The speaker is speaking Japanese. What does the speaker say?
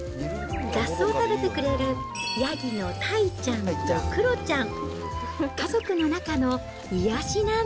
雑草を食べてくれる、ヤギのタイちゃんとクロちゃん。